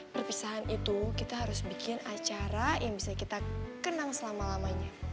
perpisahan itu kita harus bikin acara yang bisa kita kenang selama lamanya